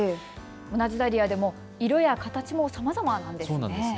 同じダリアでも色や形もさまざまなんですね。